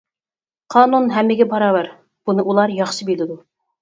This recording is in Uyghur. قانۇن ھەممىگە باراۋەر، بۇنى ئۇلار ياخشى بىلىدۇ.